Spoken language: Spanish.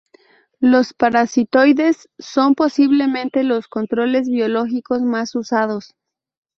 Los parasitoides son posiblemente los controles biológicos más usados.